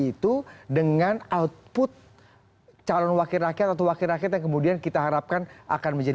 itu dengan output calon wakil rakyat atau wakil rakyat yang kemudian kita harapkan akan menjadi